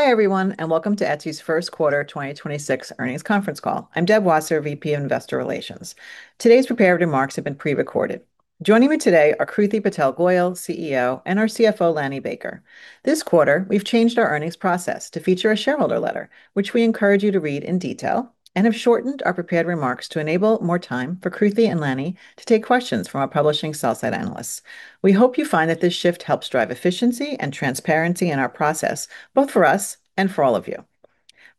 Hi, everyone, welcome to Etsy's First Quarter 2026 earnings conference call. I'm Deb Wasser, VP of Investor Relations. Today's prepared remarks have been pre-recorded. Joining me today are Kruti Patel Goyal, CEO, our CFO, Lanny Baker. This quarter, we've changed our earnings process to feature a shareholder letter, which we encourage you to read in detail and have shortened our prepared remarks to enable more time for Kruti and Lanny to take questions from our publishing sell-side analysts. We hope you find that this shift helps drive efficiency and transparency in our process, both for us and for all of you.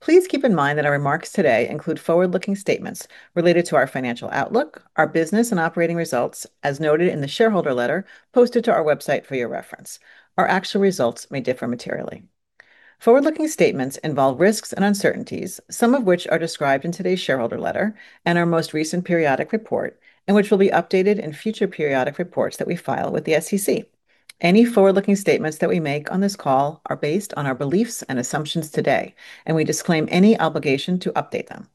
Please keep in mind that our remarks today include forward-looking statements related to our financial outlook, our business and operating results, as noted in the shareholder letter posted to our website for your reference. Our actual results may differ materially. Forward-looking statements involve risks and uncertainties, some of which are described in today's shareholder letter and our most recent periodic report, and which will be updated in future periodic reports that we file with the SEC. Any forward-looking statements that we make on this call are based on our beliefs and assumptions today, and we disclaim any obligation to update them.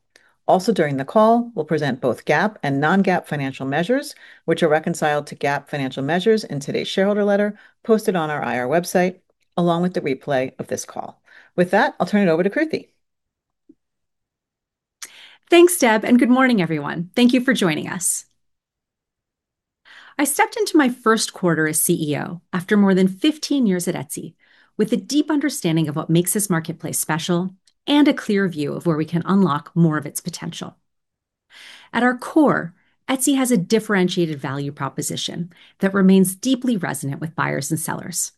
During the call, we'll present both GAAP and non-GAAP financial measures, which are reconciled to GAAP financial measures in today's shareholder letter posted on our IR website, along with the replay of this call. With that, I'll turn it over to Kruti. Thanks, Deb. Good morning, everyone. Thank you for joining us. I stepped into my first quarter as CEO after more than 15 years at Etsy with a deep understanding of what makes this marketplace special and a clear view of where we can unlock more of its potential. At our core, Etsy has a differentiated value proposition that remains deeply resonant with buyers and sellers.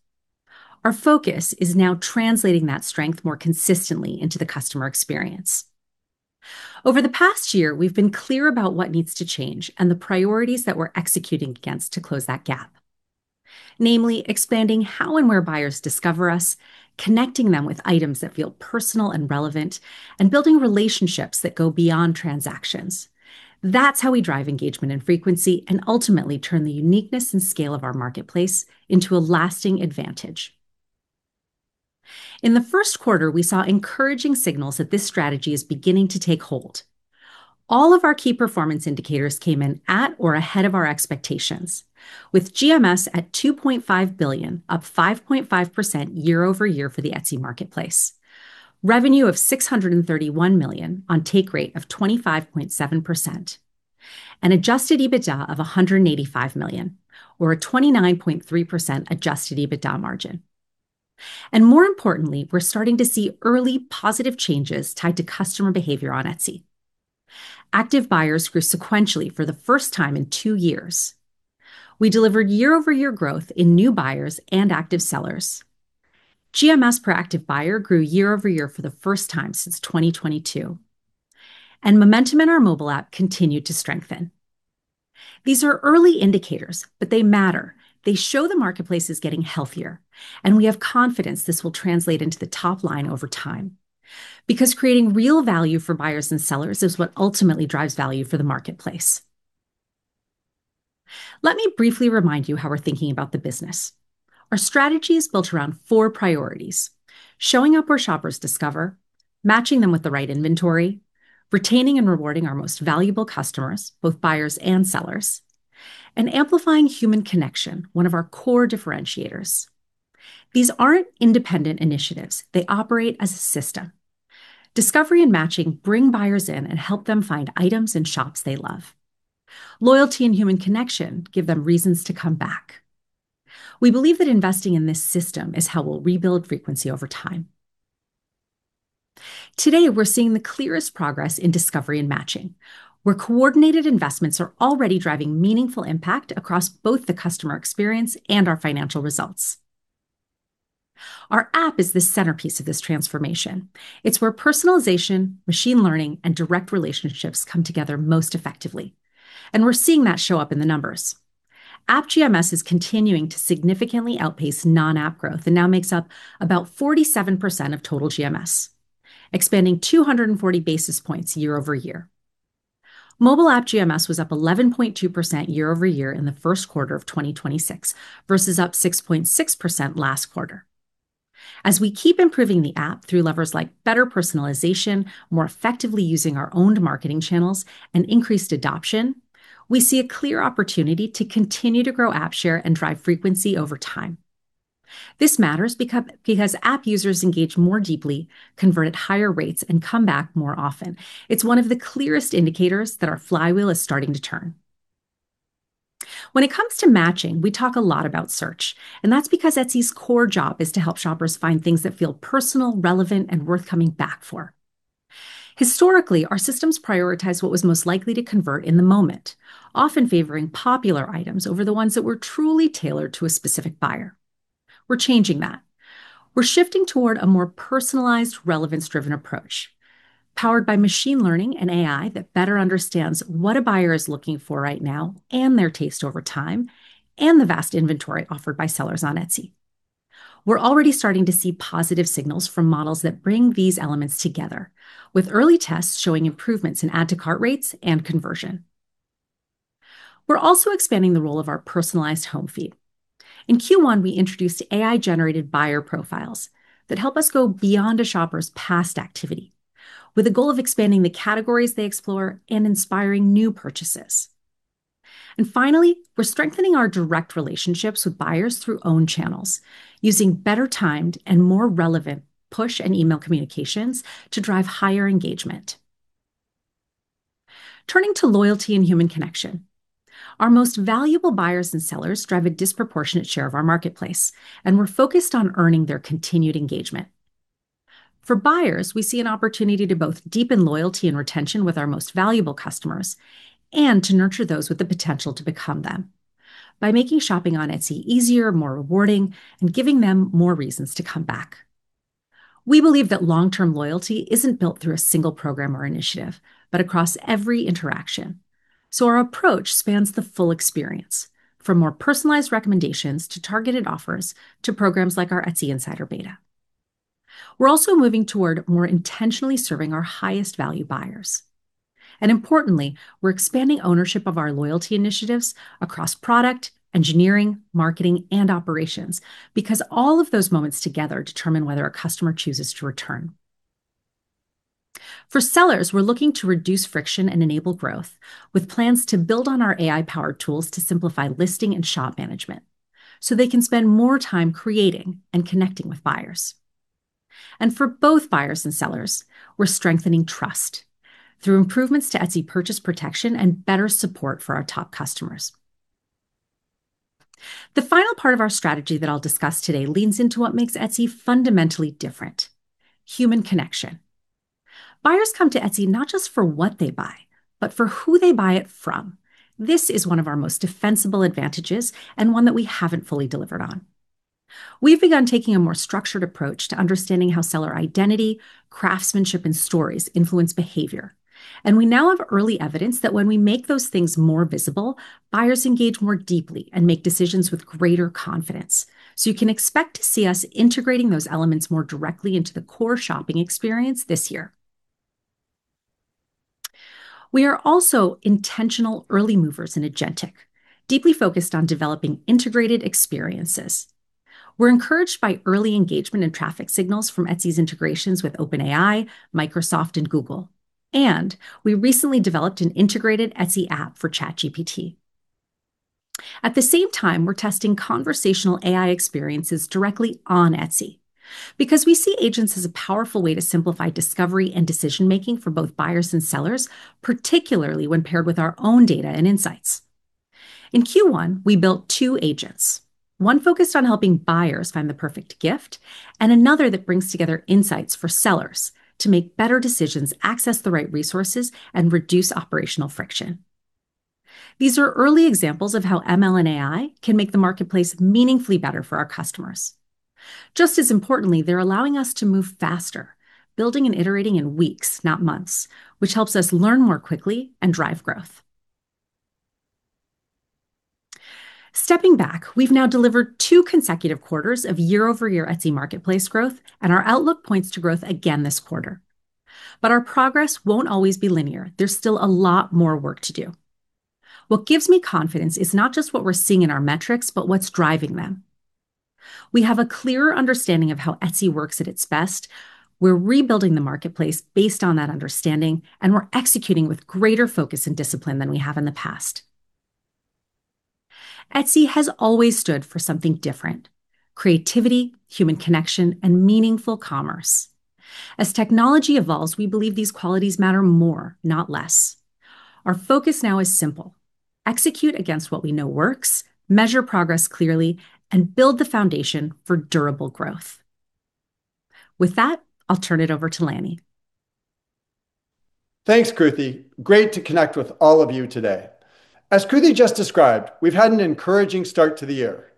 Our focus is now translating that strength more consistently into the customer experience. Over the past year, we've been clear about what needs to change and the priorities that we're executing against to close that gap. Namely, expanding how and where buyers discover us, connecting them with items that feel personal and relevant, and building relationships that go beyond transactions. That's how we drive engagement and frequency and ultimately turn the uniqueness and scale of our marketplace into a lasting advantage. In the first quarter, we saw encouraging signals that this strategy is beginning to take hold. All of our key performance indicators came in at or ahead of our expectations, with GMS at $2.5 billion, up 5.5% year-over-year for the Etsy marketplace. Revenue of $631 million on take rate of 25.7%. Adjusted EBITDA of $185 million or a 29.3% Adjusted EBITDA margin. More importantly, we're starting to see early positive changes tied to customer behavior on Etsy. Active buyers grew sequentially for the first time in two years. We delivered year-over-year growth in new buyers and active sellers. GMS per active buyer grew year-over-year for the first time since 2022. Momentum in our mobile app continued to strengthen. These are early indicators, but they matter. They show the marketplace is getting healthier, and we have confidence this will translate into the top line over time. Because creating real value for buyers and sellers is what ultimately drives value for the marketplace. Let me briefly remind you how we're thinking about the business. Our strategy is built around four priorities. Showing up where shoppers discover, matching them with the right inventory, retaining and rewarding our most valuable customers, both buyers and sellers, and amplifying human connection, one of our core differentiators. These aren't independent initiatives. They operate as a system. Discovery and matching bring buyers in and help them find items and shops they love. Loyalty and human connection give them reasons to come back. We believe that investing in this system is how we'll rebuild frequency over time. Today, we're seeing the clearest progress in discovery and matching, where coordinated investments are already driving meaningful impact across both the customer experience and our financial results. Our app is the centerpiece of this transformation. It's where personalization, machine learning, and direct relationships come together most effectively. We're seeing that show up in the numbers. App GMS is continuing to significantly outpace non-app growth and now makes up about 47% of total GMS, expanding 240 basis points year-over-year. Mobile app GMS was up 11.2% year-over-year in the first quarter of 2026, versus up 6.6% last quarter. As we keep improving the app through levers like better personalization, more effectively using our owned marketing channels, and increased adoption, we see a clear opportunity to continue to grow app share and drive frequency over time. This matters because app users engage more deeply, convert at higher rates, and come back more often. It's one of the clearest indicators that our flywheel is starting to turn. When it comes to matching, we talk a lot about search, that's because Etsy's core job is to help shoppers find things that feel personal, relevant, and worth coming back for. Historically, our systems prioritized what was most likely to convert in the moment, often favoring popular items over the ones that were truly tailored to a specific buyer. We're changing that. We're shifting toward a more personalized, relevance-driven approach, powered by machine learning and AI that better understands what a buyer is looking for right now and their taste over time, and the vast inventory offered by sellers on Etsy. We're already starting to see positive signals from models that bring these elements together, with early tests showing improvements in add to cart rates and conversion. We're also expanding the role of our personalized home feed. In Q1, we introduced AI-generated buyer profiles that help us go beyond a shopper's past activity, with a goal of expanding the categories they explore and inspiring new purchases. Finally, we're strengthening our direct relationships with buyers through own channels, using better timed and more relevant push and email communications to drive higher engagement. Turning to loyalty and human connection. Our most valuable buyers and sellers drive a disproportionate share of our marketplace, and we're focused on earning their continued engagement. For buyers, we see an opportunity to both deepen loyalty and retention with our most valuable customers and to nurture those with the potential to become them by making shopping on Etsy easier, more rewarding, and giving them more reasons to come back. We believe that long-term loyalty isn't built through a single program or initiative, but across every interaction. Our approach spans the full experience, from more personalized recommendations to targeted offers to programs like our Etsy Insider Beta. We're also moving toward more intentionally serving our highest value buyers. Importantly, we're expanding ownership of our loyalty initiatives across product, engineering, marketing, and operations because all of those moments together determine whether a customer chooses to return. For sellers, we're looking to reduce friction and enable growth with plans to build on our AI-powered tools to simplify listing and shop management so they can spend more time creating and connecting with buyers. For both buyers and sellers, we're strengthening trust through improvements to Etsy Purchase Protection and better support for our top customers. The final part of our strategy that I'll discuss today leans into what makes Etsy fundamentally different, human connection. Buyers come to Etsy not just for what they buy, but for who they buy it from. This is one of our most defensible advantages and one that we haven't fully delivered on. We've begun taking a more structured approach to understanding how seller identity, craftsmanship, and stories influence behavior. We now have early evidence that when we make those things more visible, buyers engage more deeply and make decisions with greater confidence. You can expect to see us integrating those elements more directly into the core shopping experience this year. We are also intentional early movers in agentic, deeply focused on developing integrated experiences. We're encouraged by early engagement and traffic signals from Etsy's integrations with OpenAI, Microsoft, and Google and we recently developed an integrated Etsy app for ChatGPT. At the same time, we're testing conversational AI experiences directly on Etsy because we see agents as a powerful way to simplify discovery and decision-making for both buyers and sellers, particularly when paired with our own data and insights. In Q1, we built two agents, one focused on helping buyers find the perfect gift, and another that brings together insights for sellers to make better decisions, access the right resources, and reduce operational friction. These are early examples of how ML and AI can make the marketplace meaningfully better for our customers. Just as importantly, they're allowing us to move faster, building and iterating in weeks, not months, which helps us learn more quickly and drive growth. Stepping back, we've now delivered two consecutive quarters of year-over-year Etsy marketplace growth, and our outlook points to growth again this quarter. Our progress won't always be linear. There's still a lot more work to do. What gives me confidence is not just what we're seeing in our metrics, but what's driving them. We have a clearer understanding of how Etsy works at its best. We're rebuilding the marketplace based on that understanding, and we're executing with greater focus and discipline than we have in the past. Etsy has always stood for something different, creativity, human connection, and meaningful commerce. As technology evolves, we believe these qualities matter more, not less. Our focus now is simple, execute against what we know works, measure progress clearly, and build the foundation for durable growth. With that, I'll turn it over to Lanny. Thanks, Kruti. Great to connect with all of you today. As Kruti just described, we've had an encouraging start to the year,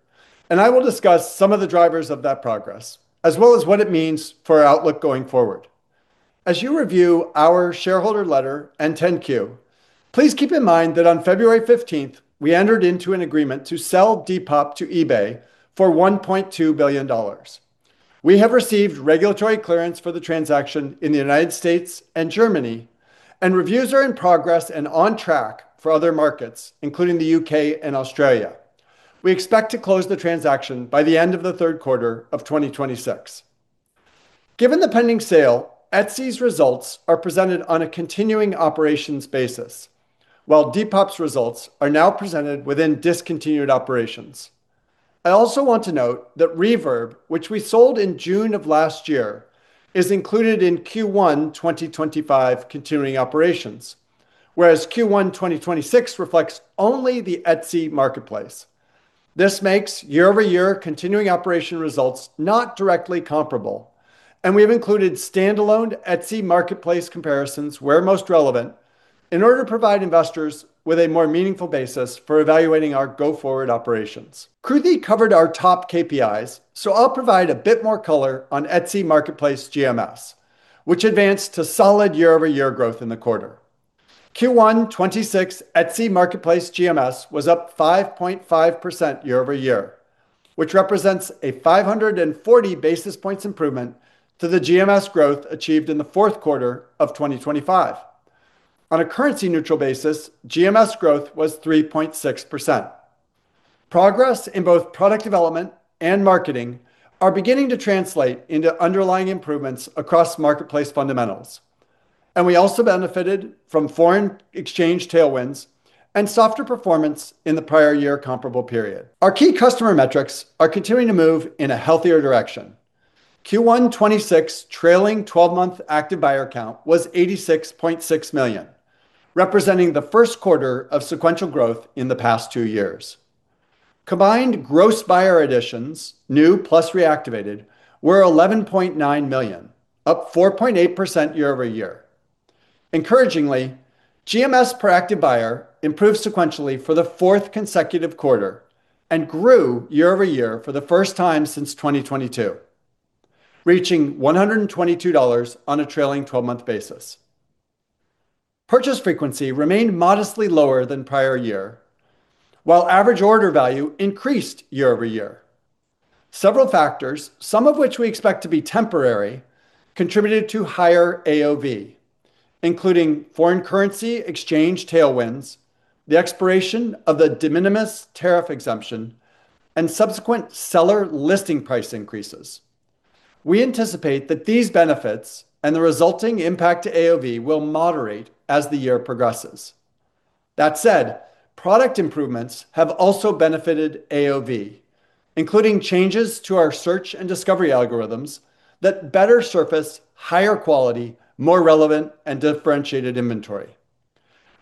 and I will discuss some of the drivers of that progress, as well as what it means for our outlook going forward. As you review our shareholder letter and 10-Q, please keep in mind that on February 15th, we entered into an agreement to sell Depop to eBay for $1.2 billion. We have received regulatory clearance for the transaction in the U.S. and Germany, and reviews are in progress and on track for other markets, including the U.K. and Australia. We expect to close the transaction by the end of the third quarter of 2026. Given the pending sale, Etsy's results are presented on a continuing operations basis, while Depop's results are now presented within discontinued operations. I also want to note that Reverb, which we sold in June of last year, is included in Q1 2025 continuing operations, whereas Q1 2026 reflects only the Etsy marketplace. This makes year-over-year continuing operation results not directly comparable, and we have included standalone Etsy marketplace comparisons where most relevant in order to provide investors with a more meaningful basis for evaluating our go-forward operations. Kruti covered our top KPIs, so I'll provide a bit more color on Etsy marketplace GMS, which advanced to solid year-over-year growth in the quarter. Q1 2026 Etsy marketplace GMS was up 5.5% year-over-year, which represents a 540 basis points improvement to the GMS growth achieved in the fourth quarter of 2025. On a currency neutral basis, GMS growth was 3.6%. Progress in both product development and marketing are beginning to translate into underlying improvements across marketplace fundamentals, we also benefited from foreign exchange tailwinds and softer performance in the prior year comparable period. Our key customer metrics are continuing to move in a healthier direction. Q1 2026 trailing 12-month active buyer count was 86.6 million, representing the first quarter of sequential growth in the past two years. Combined gross buyer additions, new plus reactivated, were 11.9 million, up 4.8% year-over-year. Encouragingly, GMS per active buyer improved sequentially for the fourth consecutive quarter and grew year-over-year for the first time since 2022, reaching $122 on a trailing 12-month basis. Purchase frequency remained modestly lower than prior year, while average order value increased year-over-year. Several factors, some of which we expect to be temporary, contributed to higher AOV, including foreign currency exchange tailwinds, the expiration of the de minimis tariff exemption, and subsequent seller listing price increases. We anticipate that these benefits and the resulting impact to AOV will moderate as the year progresses. That said, product improvements have also benefited AOV, including changes to our search and discovery algorithms that better surface higher quality, more relevant and differentiated inventory.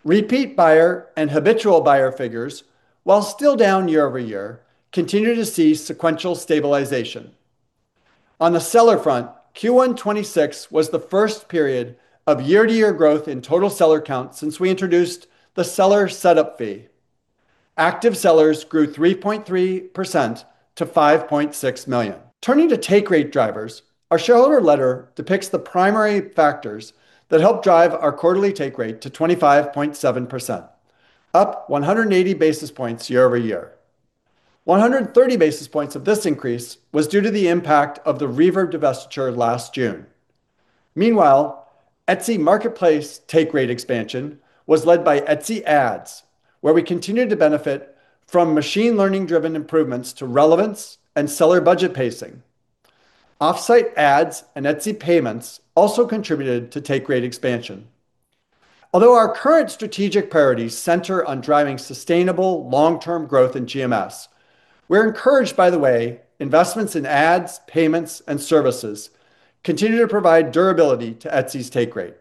Repeat buyer and habitual buyer figures, while still down year-over-year, continue to see sequential stabilization. On the seller front, Q1 2026 was the first period of year-to-year growth in total seller count since we introduced the seller setup fee. Active sellers grew 3.3% to 5.6 million. Turning to take rate drivers, our shareholder letter depicts the primary factors that help drive our quarterly take rate to 25.7%, up 180 basis points year-over-year. 130 basis points of this increase was due to the impact of the Reverb divestiture last June. Meanwhile, Etsy marketplace take rate expansion was led by Etsy Ads, where we continued to benefit from machine learning-driven improvements to relevance and seller budget pacing. Offsite ads and Etsy Payments also contributed to take rate expansion. Although our current strategic priorities center on driving sustainable long-term growth in GMS, we're encouraged by the way investments in ads, payments, and services continue to provide durability to Etsy's take rate.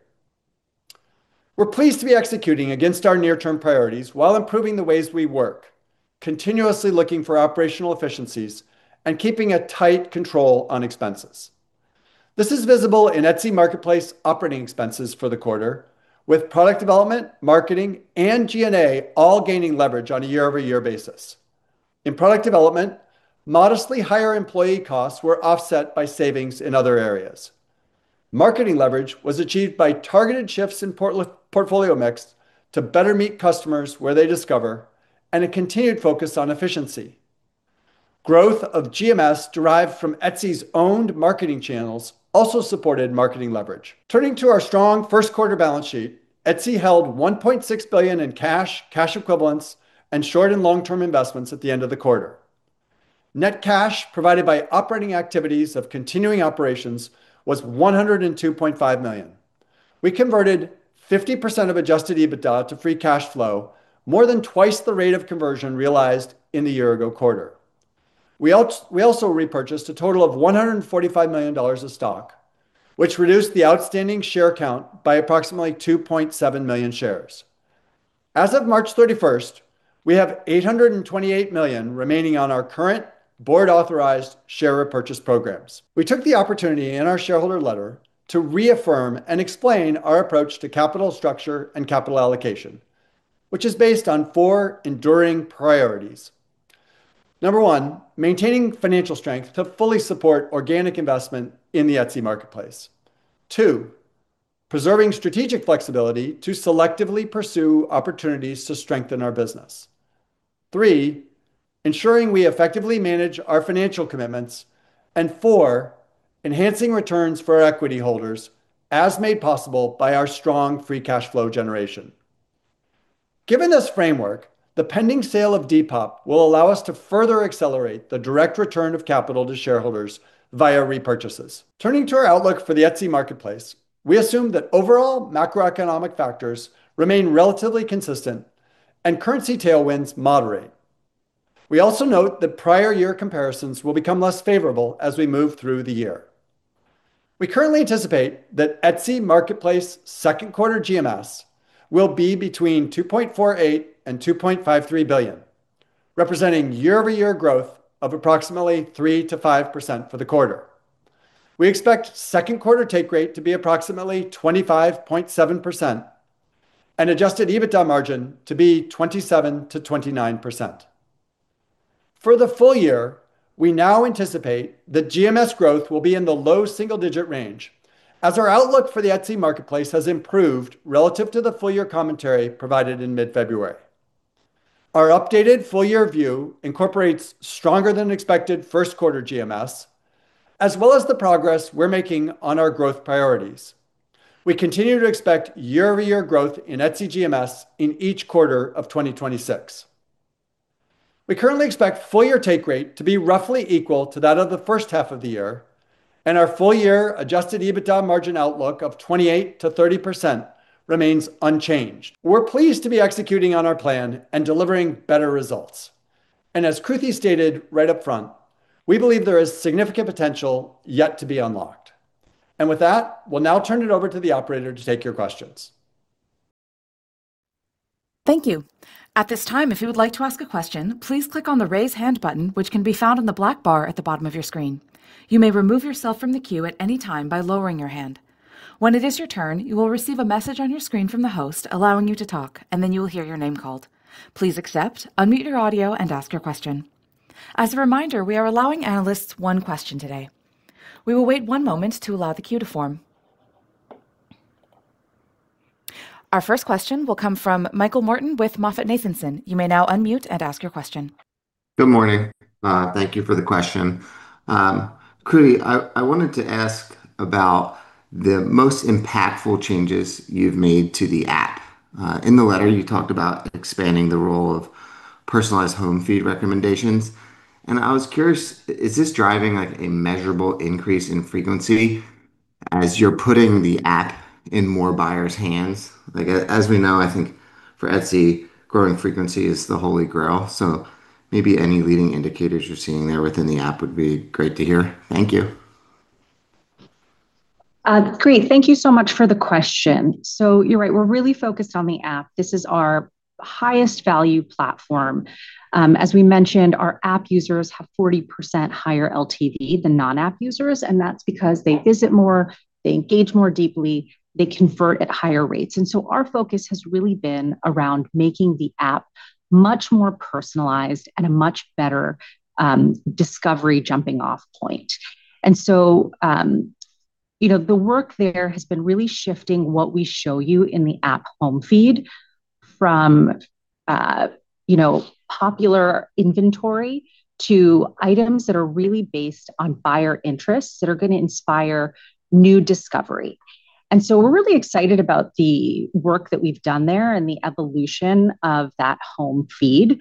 We're pleased to be executing against our near-term priorities while improving the ways we work, continuously looking for operational efficiencies and keeping a tight control on expenses. This is visible in Etsy marketplace operating expenses for the quarter, with product development, marketing, and G&A all gaining leverage on a year-over-year basis. In product development, modestly higher employee costs were offset by savings in other areas. Marketing leverage was achieved by targeted shifts in portfolio mix to better meet customers where they discover and a continued focus on efficiency. Growth of GMS derived from Etsy's owned marketing channels also supported marketing leverage. Turning to our strong first quarter balance sheet, Etsy held $1.6 billion in cash equivalents, and short and long-term investments at the end of the quarter. Net cash provided by operating activities of continuing operations was $102.5 million. We converted 50% of Adjusted EBITDA to free cash flow, more than twice the rate of conversion realized in the year-ago quarter. We also repurchased a total of $145 million of stock, which reduced the outstanding share count by approximately 2.7 million shares. As of March 31st, we have $828 million remaining on our current board-authorized share repurchase programs. We took the opportunity in our shareholder letter to reaffirm and explain our approach to capital structure and capital allocation, which is based on four enduring priorities. number one, maintaining financial strength to fully support organic investment in the Etsy marketplace. Two, preserving strategic flexibility to selectively pursue opportunities to strengthen our business. Three, ensuring we effectively manage our financial commitments. Four, enhancing returns for equity holders as made possible by our strong free cash flow generation. Given this framework, the pending sale of Depop will allow us to further accelerate the direct return of capital to shareholders via repurchases. Turning to our outlook for the Etsy marketplace, we assume that overall macroeconomic factors remain relatively consistent and currency tailwinds moderate. We also note that year-over-year comparisons will become less favorable as we move through the year. We currently anticipate that Etsy marketplace second quarter GMS will be between $2.48 billion and $2.53 billion, representing year-over-year growth of approximately 3%-5% for the quarter. We expect second quarter take rate to be approximately 25.7% and Adjusted EBITDA margin to be 27%-29%. For the full year, we now anticipate that GMS growth will be in the low single digit range as our outlook for the Etsy marketplace has improved relative to the full year commentary provided in mid-February. Our updated full year view incorporates stronger than expected first quarter GMS, as well as the progress we're making on our growth priorities. We continue to expect year-over-year growth in Etsy GMS in each quarter of 2026. We currently expect full year take rate to be roughly equal to that of the first half of the year, and our full year Adjusted EBITDA margin outlook of 28%-30% remains unchanged. We're pleased to be executing on our plan and delivering better results. As Kruti stated right up front, we believe there is significant potential yet to be unlocked. With that, we'll now turn it over to the operator to take your questions. Thank you. At this time, if you would like to ask a question, please click on the Raise Hand button, which can be found on the black bar at the bottom of your screen. You may remove yourself from the queue at any time by lowering your hand. When it is your turn, you will receive a message on your screen from the host allowing you to talk, and then you will hear your name called. Please accept, unmute your audio, and ask your question. As a reminder, we are allowing analysts one question today. We will wait one moment to allow the queue to form. Our first question will come from Michael Morton with MoffettNathanson. You may now unmute and ask your question. Good morning. Thank you for the question. Kruti, I wanted to ask about the most impactful changes you've made to the app. In the letter you talked about expanding the role of personalized home feed recommendations, and I was curious, is this driving, like, a measurable increase in frequency as you're putting the app in more buyers' hands? As we know, I think for Etsy, growing frequency is the holy grail, so maybe any leading indicators you're seeing there within the app would be great to hear. Thank you. Great. Thank you so much for the question. You're right, we're really focused on the app. This is our highest value platform. As we mentioned, our app users have 40% higher LTV than non-app users, and that's because they visit more, they engage more deeply, they convert at higher rates. Our focus has really been around making the app much more personalized and a much better, discovery jumping off point. You know, the work there has been really shifting what we show you in the app home feed from, you know, popular inventory to items that are really based on buyer interests that are gonna inspire new discovery. We're really excited about the work that we've done there and the evolution of that home feed.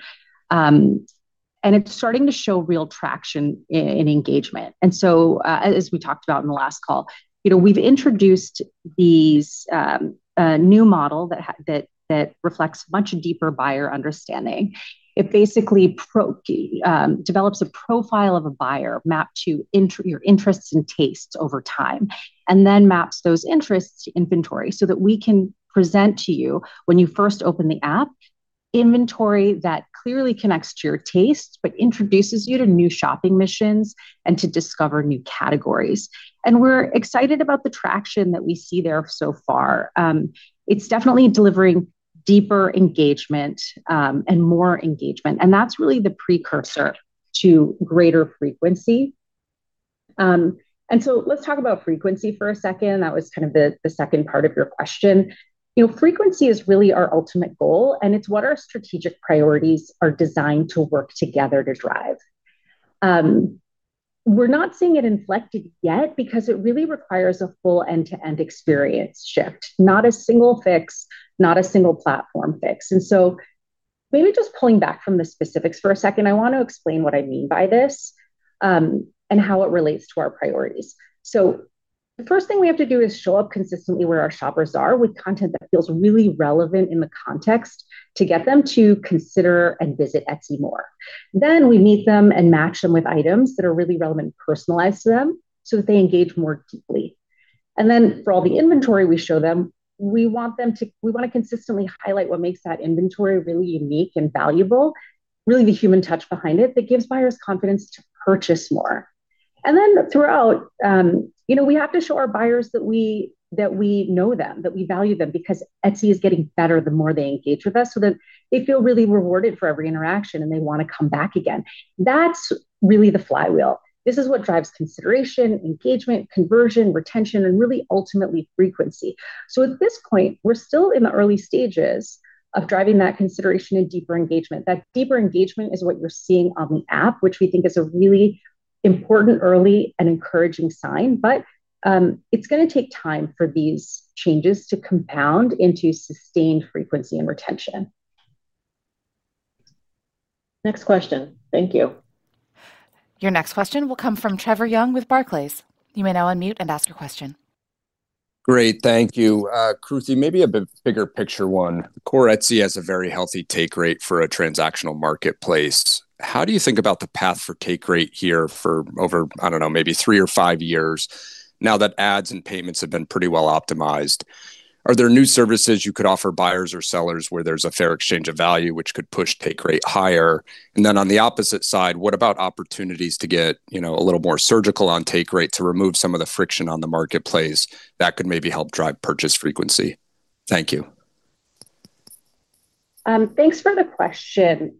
And it's starting to show real traction in engagement. As we talked about in the last call, you know, we've introduced these new model that reflects much deeper buyer understanding. It basically develops a profile of a buyer mapped to your interests and tastes over time, and then maps those interests to inventory so that we can present to you when you first open the app inventory that clearly connects to your tastes, but introduces you to new shopping missions and to discover new categories. We're excited about the traction that we see there so far. It's definitely delivering deeper engagement and more engagement, and that's really the precursor to greater frequency. Let's talk about frequency for a second. That was kind of the second part of your question. You know, frequency is really our ultimate goal, and it's what our strategic priorities are designed to work together to drive. We're not seeing it inflected yet because it really requires a full end-to-end experience shift, not a single fix, not a single platform fix. Maybe just pulling back from the specifics for a second, I want to explain what I mean by this, and how it relates to our priorities. The first thing we have to do is show up consistently where our shoppers are with content that feels really relevant in the context to get them to consider and visit Etsy more. We meet them and match them with items that are really relevant and personalized to them so that they engage more deeply. For all the inventory we show them, we want to consistently highlight what makes that inventory really unique and valuable, really the human touch behind it that gives buyers confidence to purchase more. Throughout, you know, we have to show our buyers that we know them, that we value them because Etsy is getting better the more they engage with us, so that they feel really rewarded for every interaction, and they want to come back again. That's really the flywheel. This is what drives consideration, engagement, conversion, retention, and really ultimately frequency. At this point, we're still in the early stages of driving that consideration and deeper engagement. That deeper engagement is what you're seeing on the app, which we think is a really important early and encouraging sign. It's gonna take time for these changes to compound into sustained frequency and retention. Next question. Thank you. Your next question will come from Trevor Young with Barclays. You may now unmute and ask your question. Great. Thank you. Kruti, maybe a bit bigger picture one. Core Etsy has a very healthy take rate for a transactional marketplace. How do you think about the path for take rate here for over, I don't know, maybe three or five years now that Etsy Ads and Etsy Payments have been pretty well optimized? Are there new services you could offer buyers or sellers where there's a fair exchange of value, which could push take rate higher? Then on the opposite side, what about opportunities to get, you know, a little more surgical on take rate to remove some of the friction on the marketplace that could maybe help drive purchase frequency? Thank you. Thanks for the question.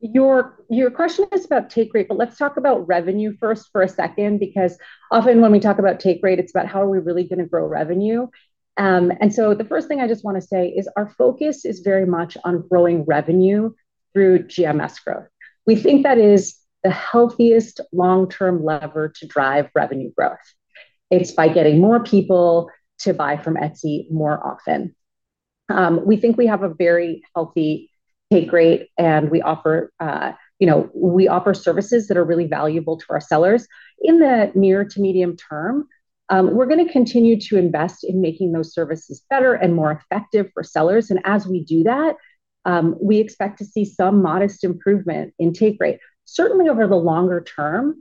Your question is about take rate, but let's talk about revenue first for a second because often when we talk about take rate, it's about how are we really gonna grow revenue. The first thing I just want to say is our focus is very much on growing revenue through GMS growth. We think that is the healthiest long-term lever to drive revenue growth. It's by getting more people to buy from Etsy more often. We think we have a very healthy take rate, and we offer, you know, we offer services that are really valuable to our sellers. In the near to medium term, we're gonna continue to invest in making those services better and more effective for sellers. As we do that, we expect to see some modest improvement in take rate. Certainly over the longer term,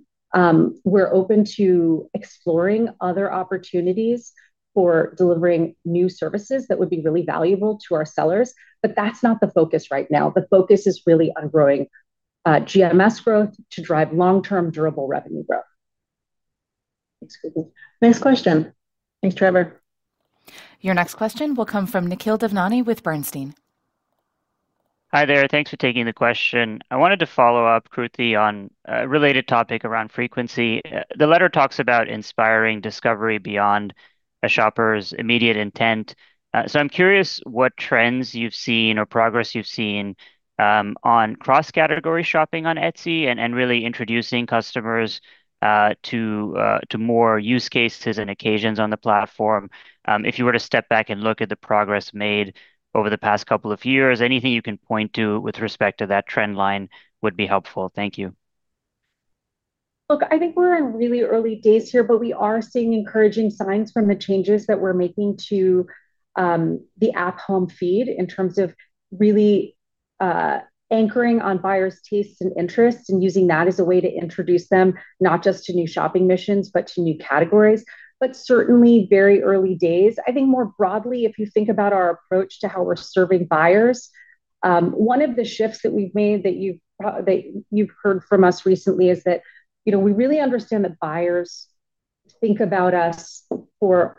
we're open to exploring other opportunities for delivering new services that would be really valuable to our sellers, but that's not the focus right now. The focus is really on growing GMS growth to drive long-term durable revenue growth. Thanks, Kruti. Next question. Thanks, Trevor. Your next question will come from Nikhil Devnani with Bernstein. Hi there. Thanks for taking the question. I wanted to follow up, Kruti, on a related topic around frequency. The letter talks about inspiring discovery beyond a shopper's immediate intent. I'm curious what trends you've seen or progress you've seen on cross-category shopping on Etsy and really introducing customers to more use cases and occasions on the platform. If you were to step back and look at the progress made over the past couple of years, anything you can point to with respect to that trend line would be helpful. Thank you. Look, I think we're in really early days here, but we are seeing encouraging signs from the changes that we're making to the app home feed in terms of really anchoring on buyers' tastes and interests and using that as a way to introduce them, not just to new shopping missions, but to new categories. Certainly very early days. I think more broadly, if you think about our approach to how we're serving buyers, one of the shifts that we've made that you've probably heard from us recently is that, you know, we really understand that buyers think about us for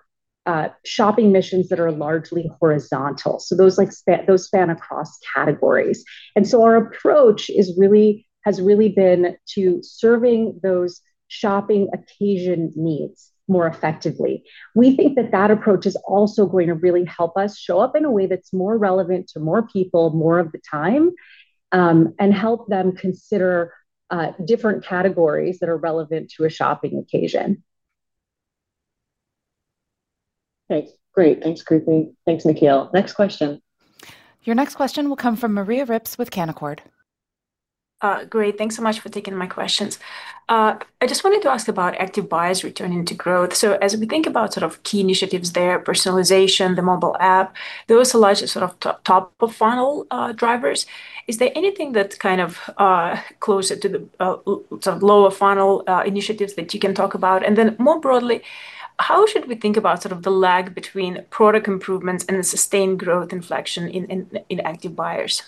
shopping missions that are largely horizontal, so those span across categories. Our approach has really been to serving those shopping occasion needs more effectively. We think that that approach is also going to really help us show up in a way that's more relevant to more people more of the time, and help them consider different categories that are relevant to a shopping occasion. Thanks. Great. Thanks, Kruti. Thanks, Nikhil. Next question. Your next question will come from Maria Ripps with Canaccord. Great, thanks so much for taking my questions. I just wanted to ask about active buyers returning to growth. As we think about sort of key initiatives there, personalization, the mobile app, those are large sort of top of funnel drivers. Is there anything that's kind of closer to the sort of lower funnel initiatives that you can talk about? More broadly, how should we think about sort of the lag between product improvements and the sustained growth inflection in active buyers?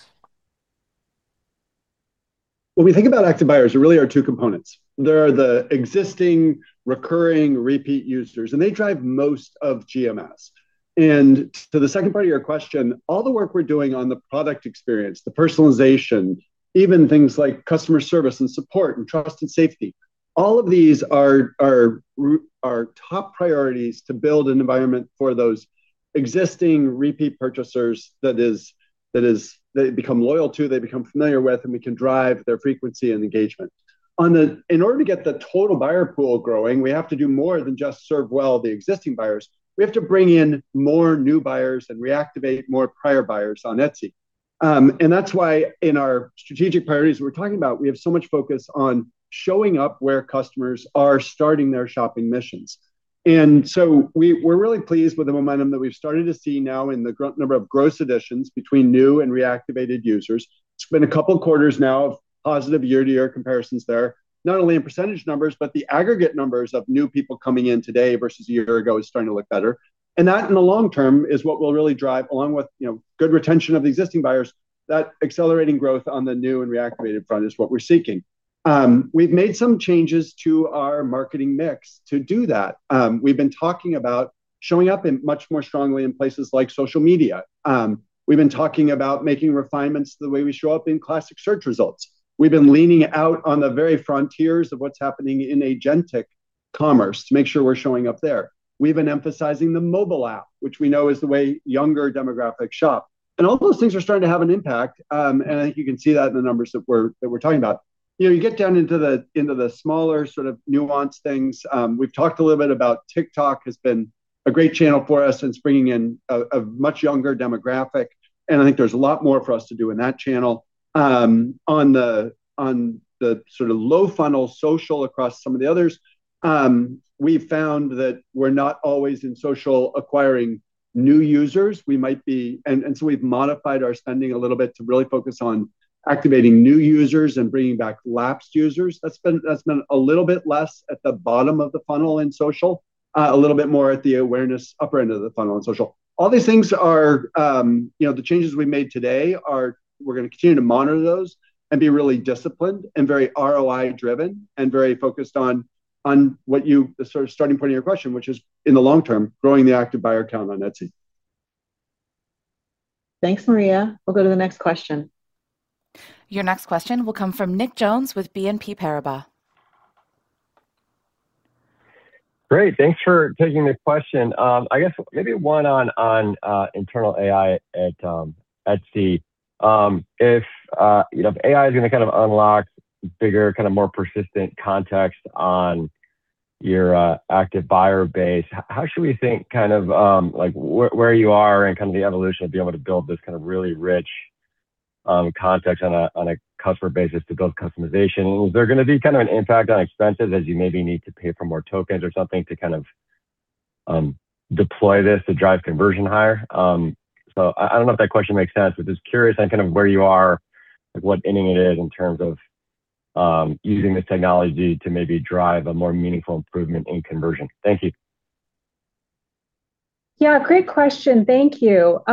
When we think about active buyers, there really are two components. There are the existing recurring repeat users, they drive most of GMS. To the second part of your question, all the work we're doing on the product experience, the personalization, even things like customer service and support and trust and safety, all of these are top priorities to build an environment for those existing repeat purchasers that is, they become loyal to, they become familiar with, and we can drive their frequency and engagement. In order to get the total buyer pool growing, we have to do more than just serve well the existing buyers. We have to bring in more new buyers and reactivate more prior buyers on Etsy. That's why in our strategic priorities we're talking about, we have so much focus on showing up where customers are starting their shopping missions. So we're really pleased with the momentum that we've started to see now in the number of gross additions between new and reactivated users. It's been a couple quarters now of positive year-over-year comparisons there, not only in percentage numbers, but the aggregate numbers of new people coming in today versus a year ago is starting to look better. That, in the long term, is what will really drive, along with, you know, good retention of existing buyers, that accelerating growth on the new and reactivated front is what we're seeking. We've made some changes to our marketing mix to do that. We've been talking about showing up in much more strongly in places like social media. We've been talking about making refinements to the way we show up in classic search results. We've been leaning out on the very frontiers of what's happening in agentic commerce to make sure we're showing up there. We've been emphasizing the mobile app, which we know is the way younger demographics shop. All those things are starting to have an impact, and I think you can see that in the numbers that we're talking about. You know, you get down into the smaller sort of nuanced things, we've talked a little bit about TikTok has been a great channel for us. It's bringing in a much younger demographic, and I think there's a lot more for us to do in that channel. On the, on the sort of low funnel social across some of the others, we've found that we're not always in social acquiring new users. So we've modified our spending a little bit to really focus on activating new users and bringing back lapsed users. That's been a little bit less at the bottom of the funnel in social, a little bit more at the awareness upper end of the funnel in social. All these things are, you know, the changes we've made today are, we're gonna continue to monitor those and be really disciplined and very ROI-driven and very focused on what you, the sort of starting point of your question, which is, in the long term, growing the active buyer count on Etsy. Thanks, Maria. We'll go to the next question. Your next question will come from Nick Jones with BNP Paribas. Great. Thanks for taking the question. I guess maybe one on internal AI at Etsy. If, you know, if AI is going to kind of unlock bigger, kind of more persistent context on your active buyer base, how should we think kind of, like where you are in kind of the evolution of being able to build this kind of really rich context on a, on a customer basis to build customization? Is there going to be kind of an impact on expenses as you maybe need to pay for more tokens or something to kind of deploy this to drive conversion higher? I don't know if that question makes sense, but just curious on kind of where you are, like what inning it is in terms of using the technology to maybe drive a more meaningful improvement in conversion. Thank you. Yeah, great question. Thank you.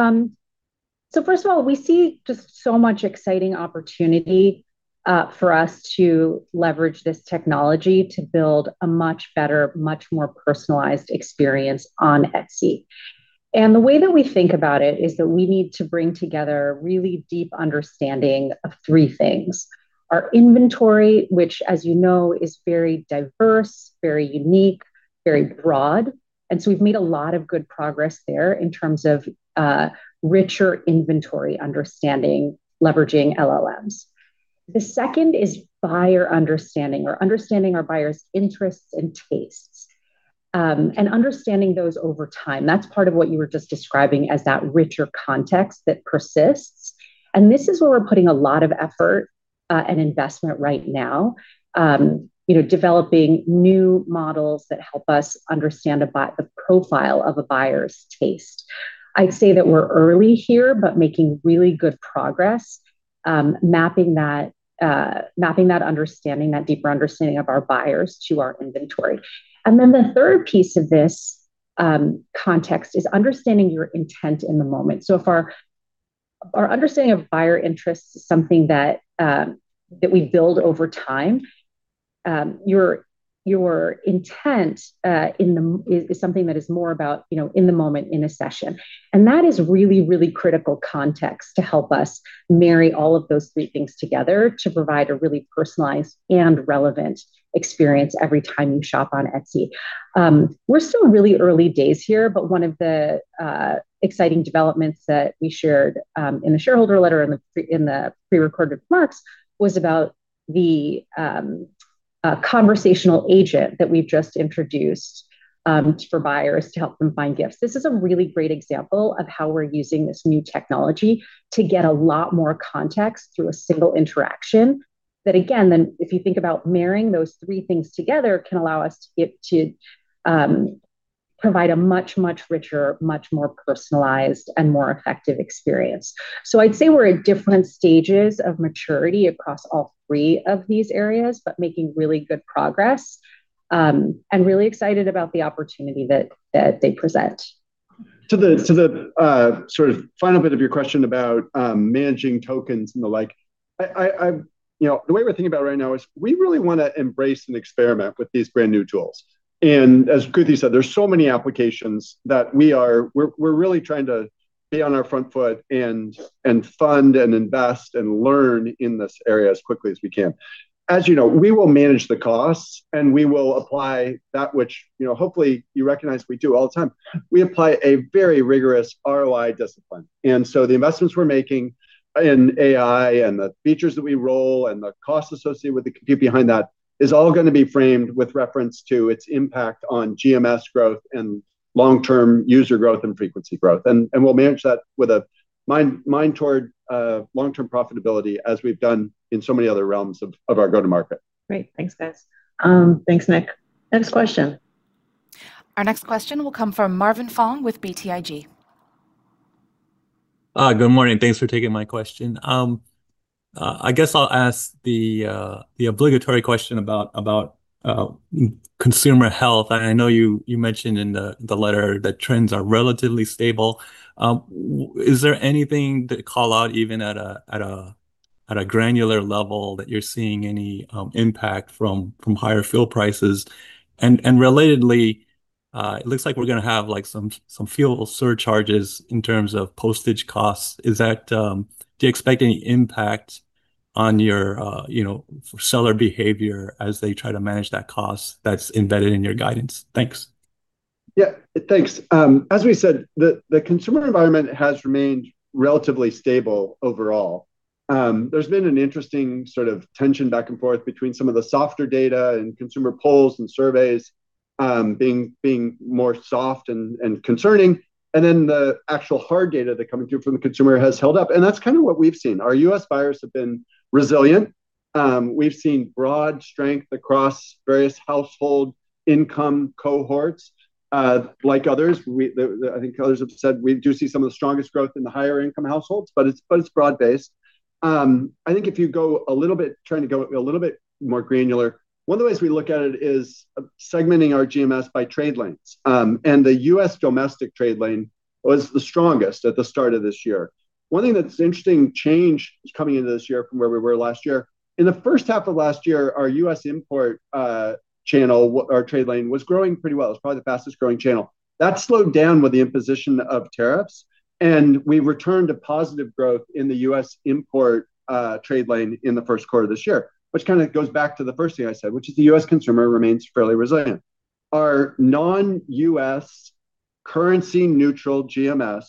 First of all, we see just so much exciting opportunity for us to leverage this technology to build a much better, much more personalized experience on Etsy. The way that we think about it is that we need to bring together really deep understanding of three things. Our inventory, which as you know, is very diverse, very unique, very broad, and so we've made a lot of good progress there in terms of richer inventory understanding leveraging LLMs. The second is buyer understanding or understanding our buyers' interests and tastes. Understanding those over time. That's part of what you were just describing as that richer context that persists. This is where we're putting a lot of effort and investment right now, you know, developing new models that help us understand the profile of a buyer's taste. I'd say that we're early here, making really good progress, mapping that understanding, that deeper understanding of our buyers to our inventory. The third piece of this context is understanding your intent in the moment. If our understanding of buyer interest is something that we build over time, your intent in the moment is something that is more about, you know, in the moment in a session. That is really, really critical context to help us marry all of those three things together to provide a really personalized and relevant experience every time you shop on Etsy. We're still really early days here, but one of the exciting developments that we shared in the shareholder letter in the pre-recorded remarks was about the conversational agent that we've just introduced for buyers to help them find gifts. This is a really great example of how we're using this new technology to get a lot more context through a single interaction. That again, if you think about marrying those three things together, can allow us to get to provide a much, much richer, much more personalized and more effective experience. I'd say we're at different stages of maturity across all three of these areas, but making really good progress, and really excited about the opportunity that they present. To the sort of final bit of your question about managing tokens and the like, you know, the way we're thinking about it right now is we really wanna embrace and experiment with these brand-new tools. As Kruti said, there's so many applications that we're really trying to be on our front foot and fund and invest and learn in this area as quickly as we can. As you know, we will manage the costs, and we will apply that which, you know, hopefully you recognize we do all the time. We apply a very rigorous ROI discipline. The investments we're making in AI and the features that we roll and the cost associated with the compute behind that is all gonna be framed with reference to its impact on GMS growth and long-term user growth and frequency growth. We'll manage that with a mind toward long-term profitability as we've done in so many other realms of our go-to-market. Great. Thanks, guys. Thanks Nick. Next question. Our next question will come from Marvin Fong with BTIG. Good morning. Thanks for taking my question. I guess I'll ask the obligatory question about consumer health. I know you mentioned in the letter that trends are relatively stable. Is there anything to call out even at a granular level that you're seeing any impact from higher fuel prices? Relatedly, it looks like we're gonna have like some fuel surcharges in terms of postage costs. Do you expect any impact on your, you know, for seller behavior as they try to manage that cost that's embedded in your guidance? Thanks. Yeah, thanks. As we said, the consumer environment has remained relatively stable overall. There's been an interesting sort of tension back and forth between some of the softer data and consumer polls and surveys, being more soft and concerning. The actual hard data that coming through from the consumer has held up, and that's kind of what we've seen. Our U.S. buyers have been resilient. We've seen broad strength across various household income cohorts. Like others, I think others have said, we do see some of the strongest growth in the higher income households, but it's broad based. I think if you go trying to go a little bit more granular, one of the ways we look at it is segmenting our GMS by trade lanes. The U.S. domestic trade lane was the strongest at the start of this year. One thing that's interesting change coming into this year from where we were last year, in the first half of last year, our U.S. import channel, our trade lane, was growing pretty well. It was probably the fastest growing channel. That slowed down with the imposition of tariffs. We returned to positive growth in the U.S. import trade lane in the first quarter of this year, which kind of goes back to the first thing I said, which is the U.S. consumer remains fairly resilient. Our non-U.S. currency neutral GMS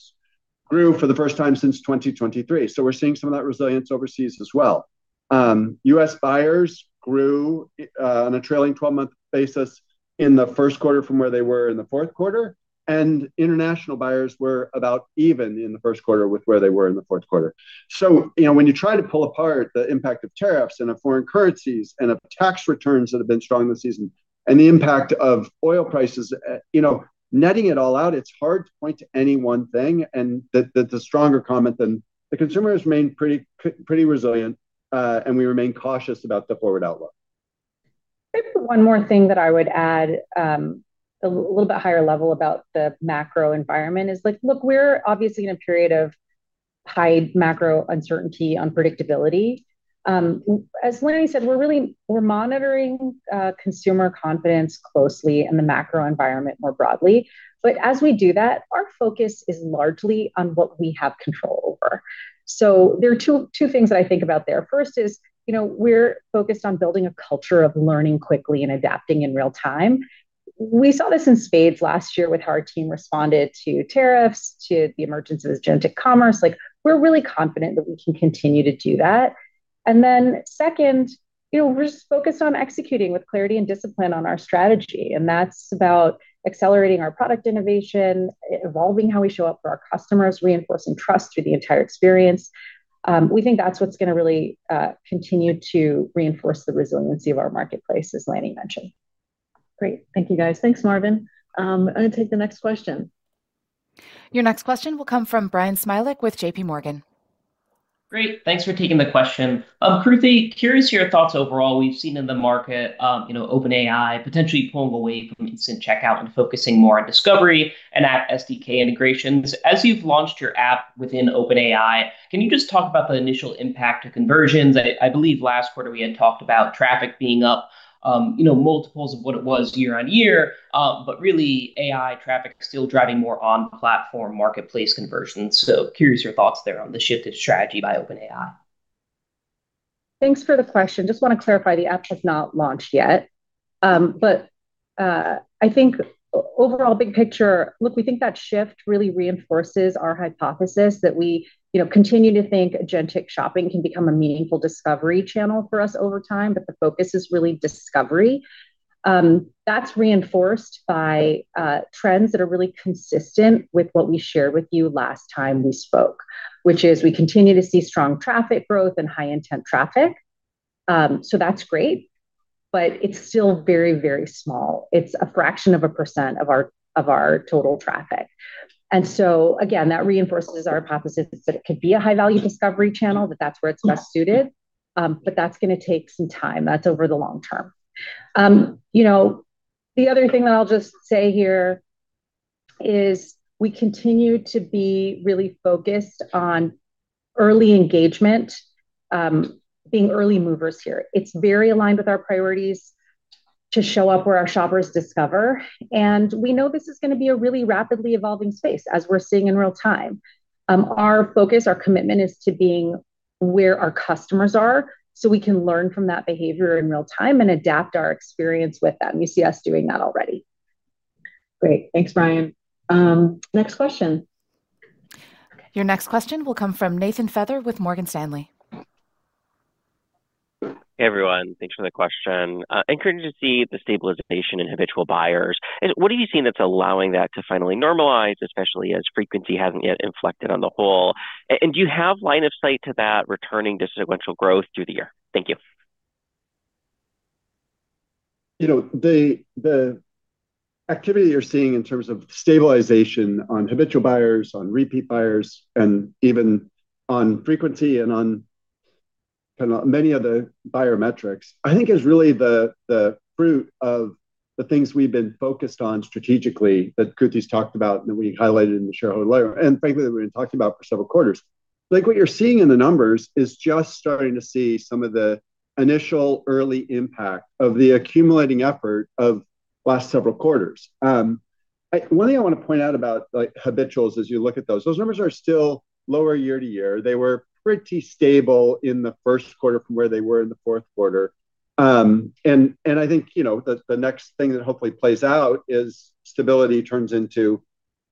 grew for the first time since 2023. We're seeing some of that resilience overseas as well. U.S. buyers grew on a trailing 12-month basis in the first quarter from where they were in the fourth quarter, and international buyers were about even in the first quarter with where they were in the fourth quarter. You know, when you try to pull apart the impact of tariffs and of foreign currencies and of tax returns that have been strong this season, and the impact of oil prices, you know, netting it all out, it's hard to point to any one thing and that's a stronger comment than the consumer has remained pretty resilient, and we remain cautious about the forward outlook. I think the one more thing that I would add, a little bit higher level about the macro environment is like, look, we're obviously in a period of high macro uncertainty, unpredictability. As Lanny said, we're monitoring consumer confidence closely and the macro environment more broadly. As we do that, our focus is largely on what we have control over. There are two things that I think about there. First is, you know, we're focused on building a culture of learning quickly and adapting in real time. We saw this in spades last year with how our team responded to tariffs, to the emergence of agentic commerce. Like, we're really confident that we can continue to do that. Second, we're just focused on executing with clarity and discipline on our strategy, and that's about accelerating our product innovation, evolving how we show up for our customers, reinforcing trust through the entire experience. We think that's what's gonna really continue to reinforce the resiliency of our marketplace, as Lanny mentioned. Great. Thank you, guys. Thanks, Marvin. I'm gonna take the next question. Your next question will come from Bryan Smilek with JPMorgan. Great. Thanks for taking the question. Kruti, curious your thoughts overall. We've seen in the market, you know, OpenAI potentially pulling away from instant checkout and focusing more on discovery and app SDK integrations. As you've launched your app within OpenAI, can you just talk about the initial impact to conversions? I believe last quarter we had talked about traffic being up, you know, multiples of what it was year-on-year. Really AI traffic still driving more on-platform marketplace conversions. Curious your thoughts there on the shifted strategy by OpenAI. Thanks for the question. Just want to clarify, the app has not launched yet. I think overall, big picture, look, we think that shift really reinforces our hypothesis that we, you know, continue to think agentic shopping can become a meaningful discovery channel for us over time. The focus is really discovery. That's reinforced by trends that are really consistent with what we shared with you last time we spoke, which is we continue to see strong traffic growth and high intent traffic. That's great, but it's still very, very small. It's a fraction of a percent of our total traffic. Again, that reinforces our hypothesis that it could be a high value discovery channel, that that's where it's best suited. That's going to take some time. That's over the long term. You know, the other thing that I'll just say here is we continue to be really focused on early engagement, being early movers here. It's very aligned with our priorities to show up where our shoppers discover, and we know this is gonna be a really rapidly evolving space as we're seeing in real time. Our focus, our commitment is to being where our customers are, so we can learn from that behavior in real time and adapt our experience with them. You see us doing that already. Great. Thanks, Bryan. Next question. Your next question will come from Nathan Feather with Morgan Stanley. Hey, everyone. Thanks for the question. Encouraging to see the stabilization in habitual buyers. What are you seeing that's allowing that to finally normalize, especially as frequency hasn't yet inflected on the whole? Do you have line of sight to that returning to sequential growth through the year? Thank you. You know, the activity you're seeing in terms of stabilization on habitual buyers, on repeat buyers, and even on frequency and on kinda many of the buyer metrics, I think is really the fruit of the things we've been focused on strategically that Kruti's talked about and that we highlighted in the shareholder letter, and frankly, that we've been talking about for several quarters. What you're seeing in the numbers is just starting to see some of the initial early impact of the accumulating effort of last several quarters. One thing I wanna point out about, like, habituals as you look at those numbers are still lower year-to-year. They were pretty stable in the first quarter from where they were in the fourth quarter. I think, you know, the next thing that hopefully plays out is stability turns into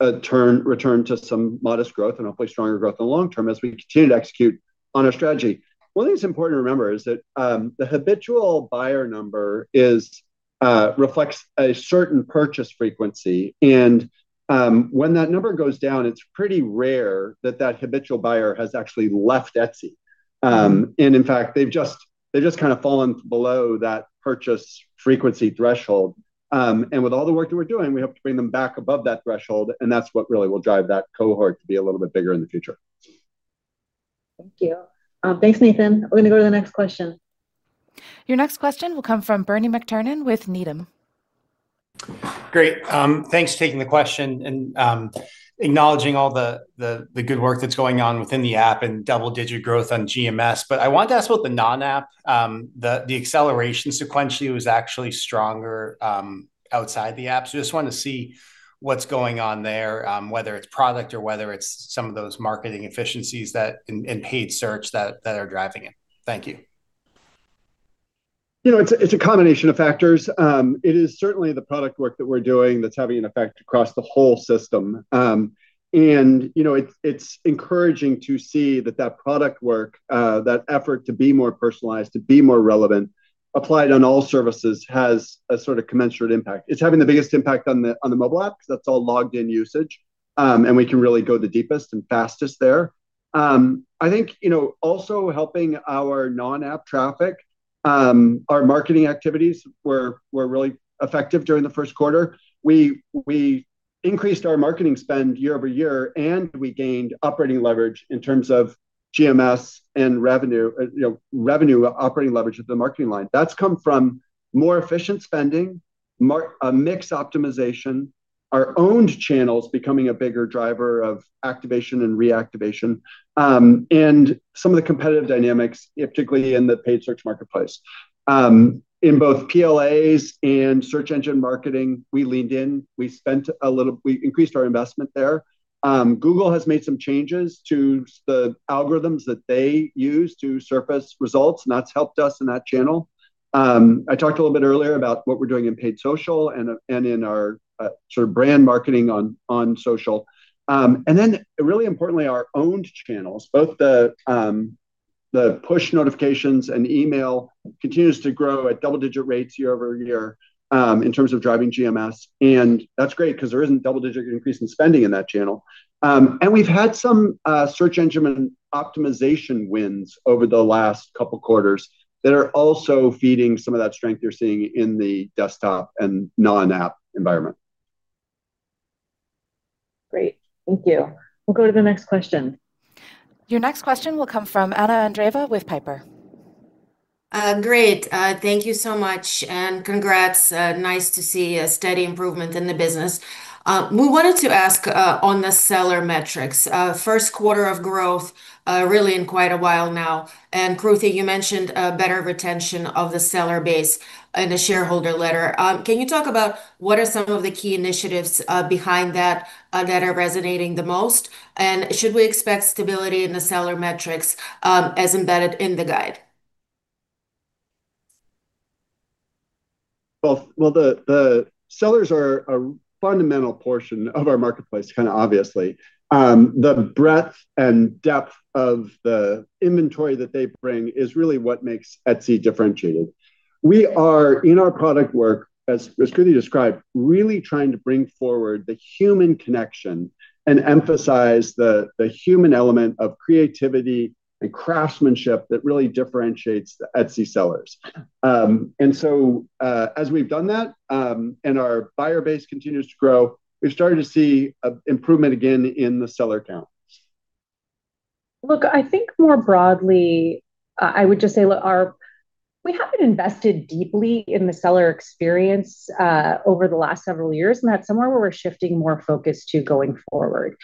a return to some modest growth and hopefully stronger growth in the long term as we continue to execute on our strategy. One thing that's important to remember is that the habitual buyer number reflects a certain purchase frequency, and when that number goes down, it's pretty rare that that habitual buyer has actually left Etsy. In fact, they've just kind of fallen below that purchase frequency threshold. With all the work that we're doing, we hope to bring them back above that threshold, and that's what really will drive that cohort to be a little bit bigger in the future. Thank you. Thanks, Nathan. We're gonna go to the next question. Your next question will come from Bernie McTernan with Needham. Great. Thanks for taking the question and acknowledging all the good work that's going on within the app and double-digit growth on GMS. I wanted to ask about the non-app. The acceleration sequentially was actually stronger outside the app. Just wanted to see what's going on there, whether it's product or whether it's some of those marketing efficiencies in paid search that are driving it. Thank you. You know, it's a combination of factors. It is certainly the product work that we're doing that's having an effect across the whole system. You know, it's encouraging to see that that product work, that effort to be more personalized, to be more relevant applied on all services has a sort of commensurate impact. It's having the biggest impact on the mobile app 'cause that's all logged in usage, we can really go the deepest and fastest there. I think, you know, also helping our non-app traffic, our marketing activities were really effective during the first quarter. We increased our marketing spend year-over-year, we gained operating leverage in terms of GMS and revenue, you know, revenue operating leverage at the marketing line. That's come from more efficient spending, a mix optimization, our owned channels becoming a bigger driver of activation and reactivation, and some of the competitive dynamics, particularly in the paid search marketplace. In both PLAs and search engine marketing, we leaned in. We increased our investment there. Google has made some changes to the algorithms that they use to surface results, and that's helped us in that channel. I talked a little bit earlier about what we're doing in paid social and in our sort of brand marketing on social. Really importantly, our owned channels, both the push notifications and email continues to grow at double-digit rates year-over-year, in terms of driving GMS, and that's great 'cause there isn't double-digit increase in spending in that channel. We've had some search engine optimization wins over the last couple quarters that are also feeding some of that strength you're seeing in the desktop and non-app environment. Great. Thank you. We'll go to the next question. Your next question will come from Anna Andreeva with Piper. Great. Thank you so much, and congrats. Nice to see a steady improvement in the business. We wanted to ask on the seller metrics, 1st quarter of growth really in quite a while now. Kruti, you mentioned better retention of the seller base in the shareholder letter. Can you talk about what are some of the key initiatives behind that that are resonating the most? Should we expect stability in the seller metrics as embedded in the guide? The sellers are a fundamental portion of our marketplace, kind of obviously. The breadth and depth of the inventory that they bring is really what makes Etsy differentiated. We are in our product work, as Kruti described, really trying to bring forward the human connection and emphasize the human element of creativity and craftsmanship that really differentiates the Etsy sellers. As we've done that, and our buyer base continues to grow, we're starting to see a improvement again in the seller count. Look, I think more broadly, I would just say look, we have been invested deeply in the seller experience over the last several years, and that's somewhere where we're shifting more focus to going forward.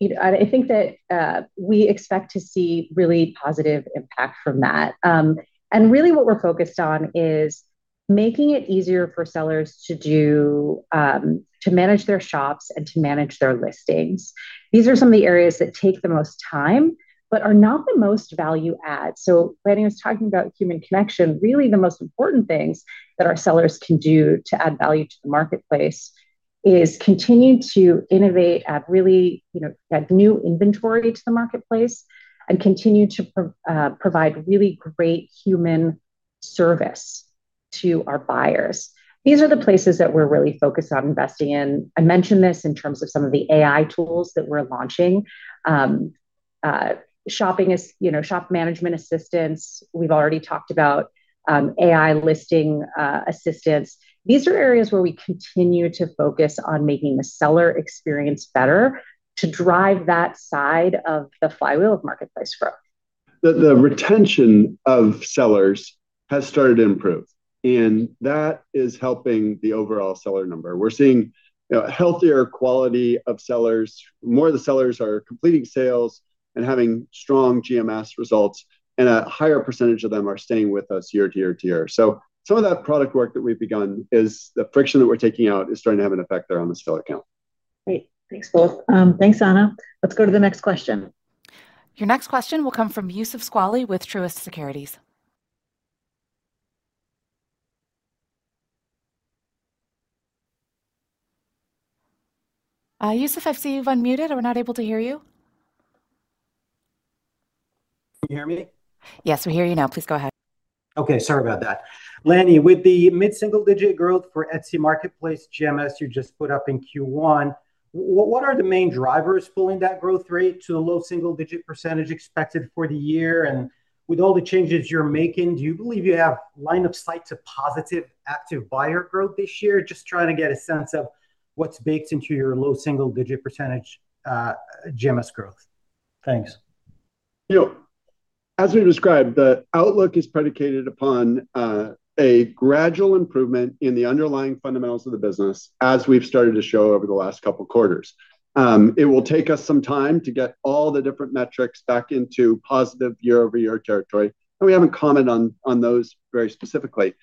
You know, I think that we expect to see really positive impact from that. Really what we're focused on is making it easier for sellers to do to manage their shops and to manage their listings. These are some of the areas that take the most time but are not the most value add. When I was talking about human connection, really the most important things that our sellers can do to add value to the marketplace is continue to innovate, you know, add new inventory to the marketplace and continue to provide really great human service to our buyers. These are the places that we're really focused on investing in. I mentioned this in terms of some of the AI tools that we're launching. Shopping, you know, shop management assistance, we've already talked about AI listing assistance. These are areas where we continue to focus on making the seller experience better to drive that side of the flywheel of marketplace growth. The retention of sellers has started to improve. That is helping the overall seller number. We're seeing, you know, healthier quality of sellers. More of the sellers are completing sales and having strong GMS results. A higher percentage of them are staying with us year to year to year. Some of that product work that we've begun is the friction that we're taking out is starting to have an effect there on the seller count. Great. Thanks, both. Thanks, Anna. Let's go to the next question. Your next question will come from Youssef Squali with Truist Securities. Youssef, I see you've unmuted. We're not able to hear you. Can you hear me? Yes, we hear you now. Please go ahead. Okay. Sorry about that. Lanny, with the mid-single-digit growth for Etsy marketplace GMS you just put up in Q1, what are the main drivers pulling that growth rate to the low single-digit % expected for the year? With all the changes you're making, do you believe you have line of sight to positive active buyer growth this year? Just trying to get a sense of what's baked into your low single-digit % GMS growth. Thanks. You know, as we described, the outlook is predicated upon a gradual improvement in the underlying fundamentals of the business as we've started to show over the last couple quarters. It will take us some time to get all the different metrics back into positive year-over-year territory, and we haven't commented on those very specifically.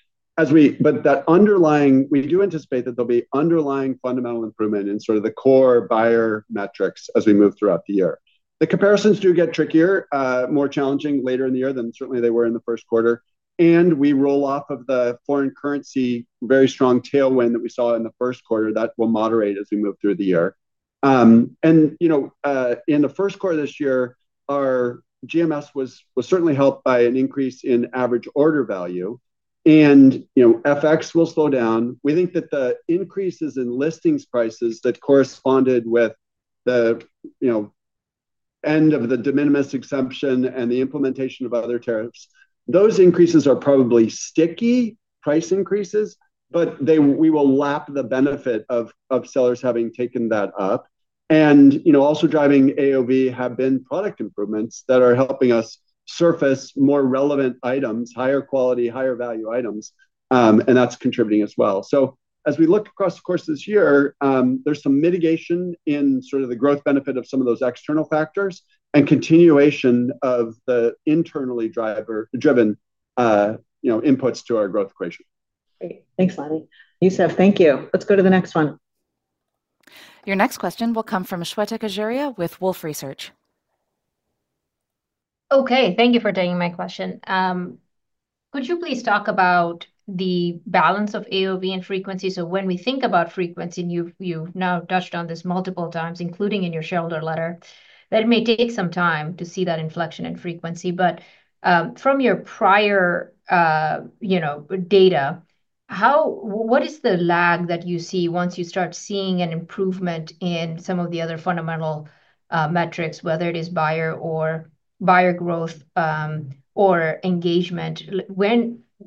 We do anticipate that there'll be underlying fundamental improvement in sort of the core buyer metrics as we move throughout the year. The comparisons do get trickier, more challenging later in the year than certainly they were in the first quarter. We roll off of the foreign currency very strong tailwind that we saw in the first quarter. That will moderate as we move through the year. In the first quarter this year, our GMS was certainly helped by an increase in average order value. FX will slow down. We think that the increases in listings prices that corresponded with the end of the de minimis exemption and the implementation of other tariffs, those increases are probably sticky price increases, but we will lap the benefit of sellers having taken that up. Also driving AOV have been product improvements that are helping us surface more relevant items, higher quality, higher value items, and that's contributing as well. As we look across the course of this year, there's some mitigation in sort of the growth benefit of some of those external factors and continuation of the internally driven inputs to our growth equation. Great. Thanks, Lanny. Youssef, thank you. Let's go to the next one. Your next question will come from Shweta Khajuria with Wolfe Research. Okay, thank you for taking my question. Could you please talk about the balance of AOV and frequency? When we think about frequency, and you've now touched on this multiple times, including in your shareholder letter, that it may take some time to see that inflection in frequency. From your prior, you know, data, what is the lag that you see once you start seeing an improvement in some of the other fundamental metrics, whether it is buyer or buyer growth, or engagement?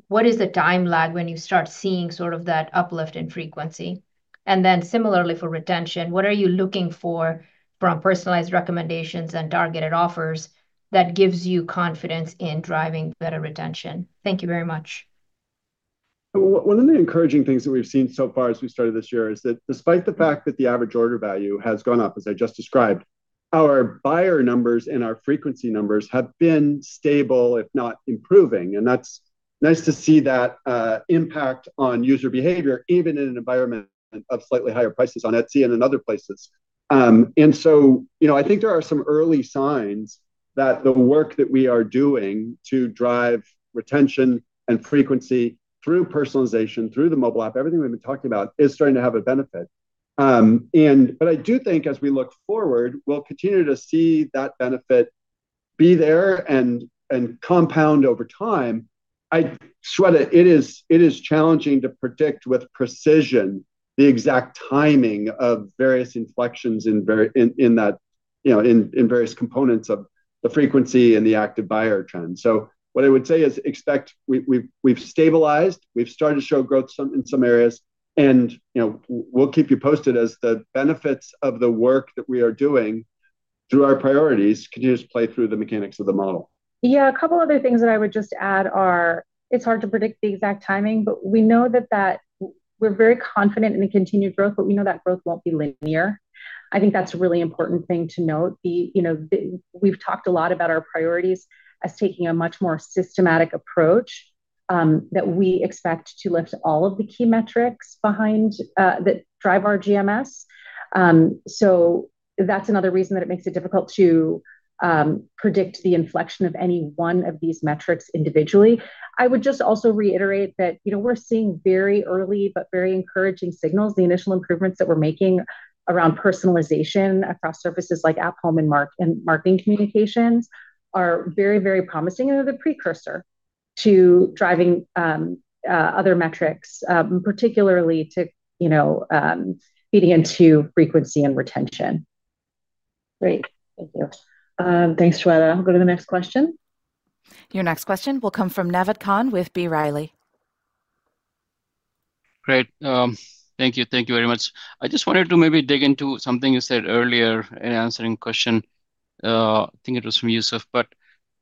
What is the time lag when you start seeing sort of that uplift in frequency? Similarly for retention, what are you looking for from personalized recommendations and targeted offers that gives you confidence in driving better retention? Thank you very much. One of the encouraging things that we've seen so far as we started this year is that despite the fact that the average order value has gone up, as I just described, our buyer numbers and our frequency numbers have been stable, if not improving. That's nice to see that impact on user behavior, even in an environment of slightly higher prices on Etsy and in other places. You know, I think there are some early signs that the work that we are doing to drive retention and frequency through personalization, through the mobile app, everything we've been talking about, is starting to have a benefit. I do think as we look forward, we'll continue to see that benefit be there and compound over time. Shweta, it is challenging to predict with precision the exact timing of various inflections in that, you know, in various components of the frequency and the active buyer trend. What I would say is we've stabilized, we've started to show growth some, in some areas. you know, we'll keep you posted as the benefits of the work that we are doing through our priorities continues to play through the mechanics of the model. Yeah. A couple other things that I would just add are, it's hard to predict the exact timing, but we know that we're very confident in the continued growth, but we know that growth won't be linear. I think that's a really important thing to note. The, you know, We've talked a lot about our priorities as taking a much more systematic approach, that we expect to lift all of the key metrics behind that drive our GMS. That's another reason that it makes it difficult to predict the inflection of any one of these metrics individually. I would just also reiterate that, you know, we're seeing very early but very encouraging signals. The initial improvements that we're making around personalization across services like App Home and marketing communications are very, very promising, and they're the precursor to driving other metrics, particularly to, you know, feeding into frequency and retention. Great. Thank you. Thanks, Shweta. We'll go to the next question. Your next question will come from Naved Khan with B. Riley. Great. Thank you. Thank you very much. I just wanted to maybe dig into something you said earlier in answering question, I think it was from Youssef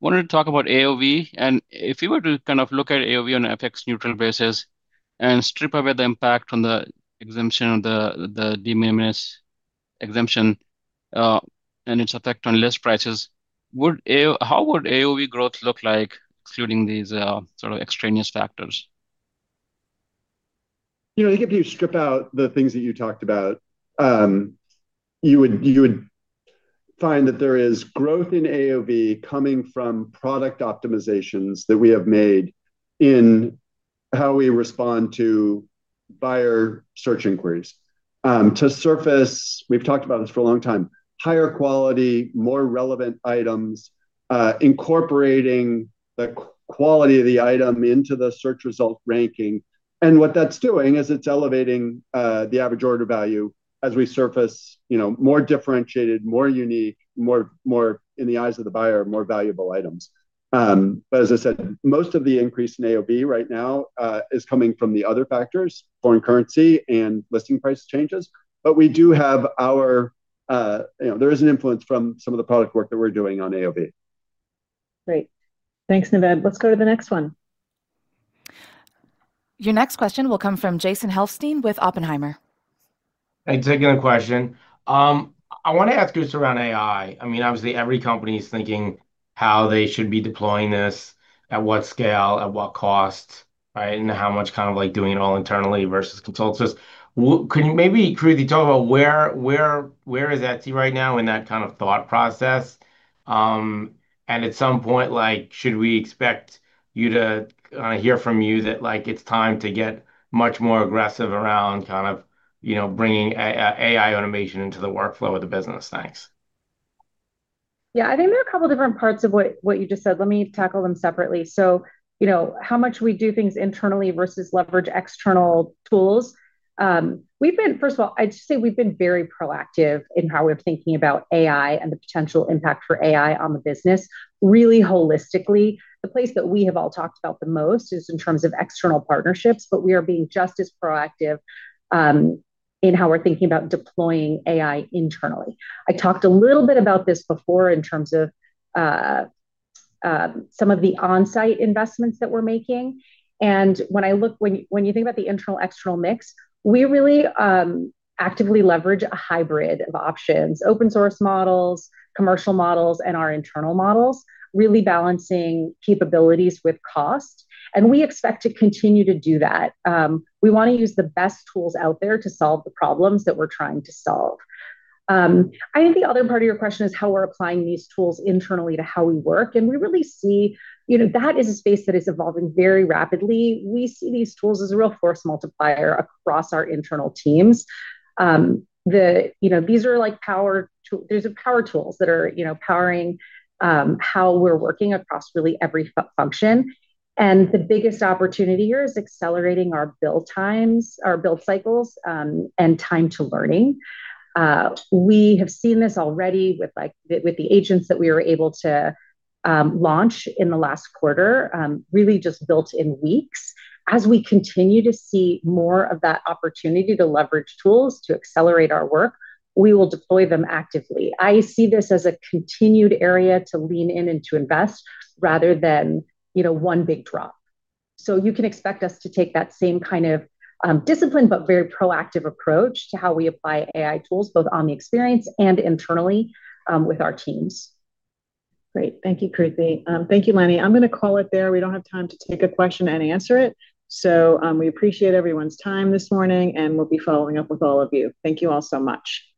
Squali. Wanted to talk about AOV, and if you were to kind of look at AOV on a FX-neutral basis and strip away the impact on the exemption of the de minimis exemption, and its effect on list prices, how would AOV growth look like excluding these sort of extraneous factors? You know, I think if you strip out the things that you talked about, you would find that there is growth in AOV coming from product optimizations that we have made in how we respond to buyer search inquiries, to surface, we've talked about this for a long time, higher quality, more relevant items, incorporating the quality of the item into the search result ranking. What that's doing is it's elevating the average order value as we surface, you know, more differentiated, more unique, more, in the eyes of the buyer, more valuable items. As I said, most of the increase in AOV right now is coming from the other factors, foreign currency and listing price changes. We do have our, you know, there is an influence from some of the product work that we're doing on AOV. Great. Thanks, Naved. Let's go to the next one. Your next question will come from Jason Helfstein with Oppenheimer. Thanks. Again, a question. I wanna ask you around AI. I mean, obviously every company is thinking how they should be deploying this, at what scale, at what cost, right? How much kind of like doing it all internally versus consult this. Could you maybe briefly talk about where Etsy right now in that kind of thought process? At some point, like, should we expect to hear from you that, like, it's time to get much more aggressive? You know, bringing AI automation into the workflow of the business. Thanks. Yeah, I think there are a couple different parts of what you just said. Let me tackle them separately. You know, how much we do things internally versus leverage external tools. First of all, I'd say we've been very proactive in how we're thinking about AI and the potential impact for AI on the business really holistically. The place that we have all talked about the most is in terms of external partnerships, we are being just as proactive in how we're thinking about deploying AI internally. I talked a little bit about this before in terms of some of the on-site investments that we're making. When you think about the internal-external mix, we really actively leverage a hybrid of options, open source models, commercial models, and our internal models, really balancing capabilities with cost, and we expect to continue to do that. We wanna use the best tools out there to solve the problems that we're trying to solve. I think the other part of your question is how we're applying these tools internally to how we work, we really see, you know, that is a space that is evolving very rapidly. We see these tools as a real force multiplier across our internal teams. You know, these are like power tools that are, you know, powering how we're working across really every function. The biggest opportunity here is accelerating our build times, our build cycles, and time to learning. We have seen this already with like with the agents that we were able to launch in the last quarter, really just built in weeks. As we continue to see more of that opportunity to leverage tools to accelerate our work, we will deploy them actively. I see this as a continued area to lean in and to invest rather than, you know, one big drop. You can expect us to take that same kind of discipline, but very proactive approach to how we apply AI tools, both on the experience and internally, with our teams. Great. Thank you, Kruti. Thank you, Lanny. I'm gonna call it there. We don't have time to take a question and answer it. We appreciate everyone's time this morning, and we'll be following up with all of you. Thank you all so much.